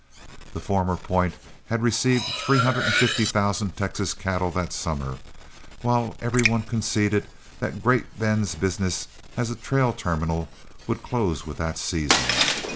The former point had received three hundred and fifty thousand Texas cattle that summer, while every one conceded that Great Bend's business as a trail terminal would close with that season.